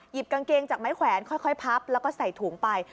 กางเกงจากไม้แขวนค่อยพับแล้วก็ใส่ถุงไป